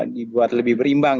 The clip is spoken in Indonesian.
dibuat lebih berimbang